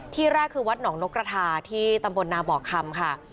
ที่แรกคือวัดหนองนกกระทาที่ตำบลนาบอกคำค่ะ